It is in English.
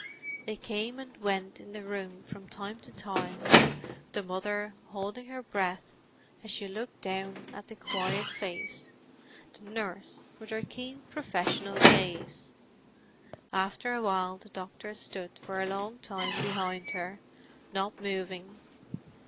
They came and went in the room from time to time; the mother, holding her breath as she looked down at the quiet face; the nurse, with her keen, professional gaze; after a while the doctor stood for a long time behind her, not moving.